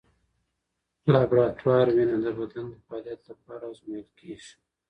لابراتوار وینه د بدن د فعالیت لپاره ازمویل کېږي.